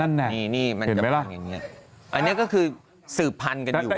อันนี้ก็คือสืบพันอยู่